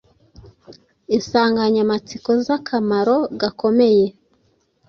insanganyamatsiko z akamaro gakomeye